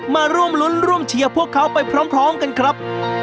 มาร่วมรุ้นร่วมเชียร์พวกเขาไปพร้อมกันครับ